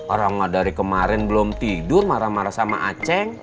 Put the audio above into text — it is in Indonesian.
orang dari kemarin belum tidur marah marah sama aceh